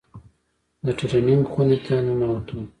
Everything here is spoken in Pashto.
د ټرېننگ خونې ته ننوتو.